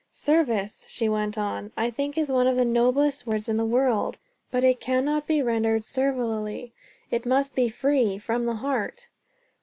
"Service," she went on, "I think is one of the noblest words in the world; but it cannot be rendered servilely. It must be free, from the heart."